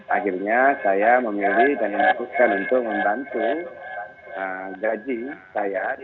akhirnya saya memilih dan memutuskan untuk membantu gaji saya